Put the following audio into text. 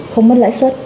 không mất lãi suất